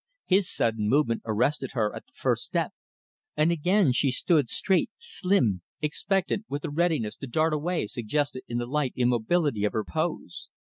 His sudden movement arrested her at the first step, and again she stood straight, slim, expectant, with a readiness to dart away suggested in the light immobility of her pose.